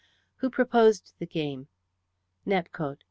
"Who proposed the game?" "Nepcote.